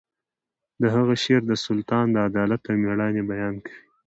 د هغه شعر د سلطان د عدالت او میړانې بیان کوي